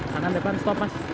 tangan depan stop mas